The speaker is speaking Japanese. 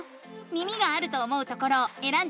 耳があると思うところをえらんでみて。